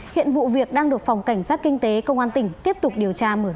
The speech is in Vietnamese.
hiện vụ việc đang được phòng cảnh sát kinh tế công an tỉnh tiếp tục điều tra mở rộng